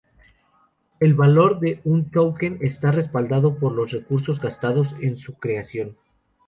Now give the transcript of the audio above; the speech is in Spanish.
El valor de un token está respaldado por los recursos gastados en su creación.